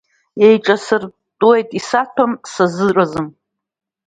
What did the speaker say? Еиҿасыртәуеит, исаҭәам сазыразым.